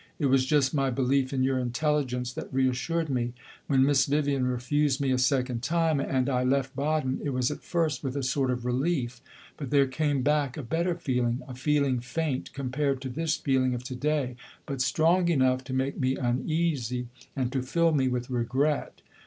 It was just my belief in your intelligence that reassured me. When Miss Vivian refused me a second time, and I left Baden, it was at first with a sort of relief. But there came back a better feeling a feeling faint compared to this feeling of to day, but strong enough to make me uneasy and to fill me with regret.